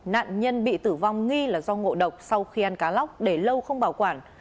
nạn nhân bị tử vong nghi là do ngộ độc sau khi ăn cá lóc để lâu không bảo quản